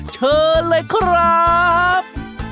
เชิญเลยครับ